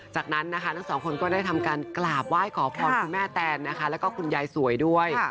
จากนั้นนะคะทั้งสองคนก็ได้ทำการกราบไหว้ขอพรคุณแม่แตนนะคะแล้วก็คุณยายสวยด้วย